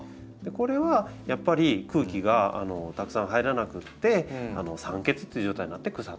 これはやっぱり空気がたくさん入らなくて酸欠という状態になって腐ってるかなと。